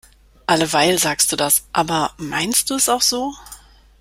Alleweil sagst du das. Aber meinst du es auch so?